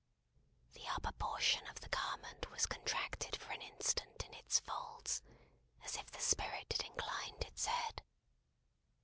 The upper portion of the garment was contracted for an instant in its folds, as if the Spirit had inclined its head.